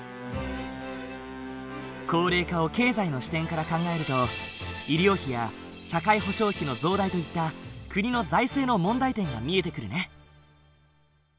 高齢化を経済の視点から考えると医療費や社会保障費の増大といった国の財政の問題点が見えてくるね。